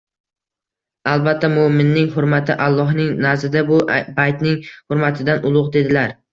«Albatta, mo‘’minning hurmati Allohning nazdida bu baytning hurmatidan ulug‘» dedilar.